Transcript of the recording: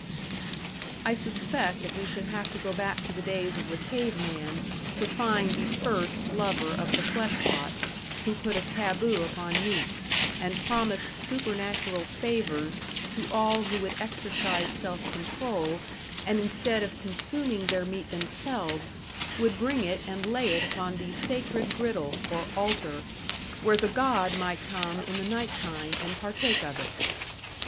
I suspect that we should have to go back to the days of the cave man to find the first lover of the flesh pots who put a taboo upon meat, and promised supernatural favors to all who would exercise self control, and instead of consuming their meat themselves, would bring it and lay it upon the sacred griddle, or altar, where the god might come in the night time and partake of it.